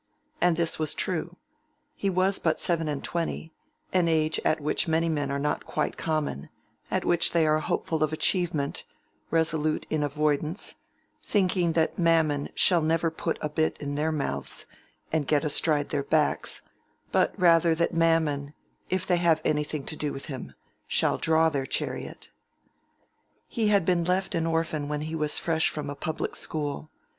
And this was true. He was but seven and twenty, an age at which many men are not quite common—at which they are hopeful of achievement, resolute in avoidance, thinking that Mammon shall never put a bit in their mouths and get astride their backs, but rather that Mammon, if they have anything to do with him, shall draw their chariot. He had been left an orphan when he was fresh from a public school.